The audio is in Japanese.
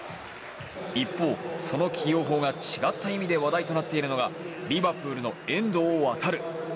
一方、その起用法が違った意味で話題となっているのがリバプールの遠藤航。